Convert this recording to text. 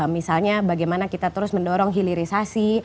misalnya bagaimana kita terus mendorong hilirisasi